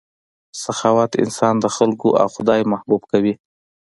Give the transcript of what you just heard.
سخاوت انسان د خلکو او خدای محبوب کوي.